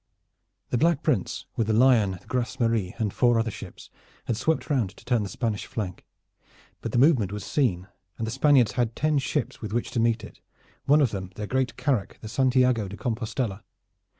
The Black Prince, with the Lion, the Grace Marie and four other ships had swept round to turn the Spanish flank; but the movement was seen, and the Spaniards had ten ships with which to meet it, one of them their great carack the St. Iago di Compostella.